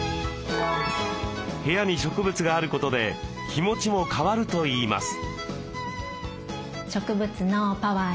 部屋に植物があることで気持ちも変わるといいます。